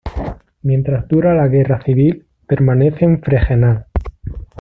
Mientras dura la Guerra Civil, permanece en Fregenal.